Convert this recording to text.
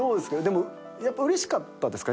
でもやっぱうれしかったですか？